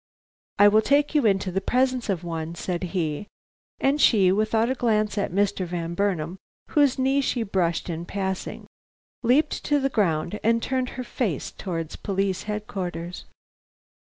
"I will take you into the presence of one," said he; and she, without a glance at Mr. Van Burnam, whose knee she brushed in passing, leaped to the ground, and turned her face towards Police Headquarters.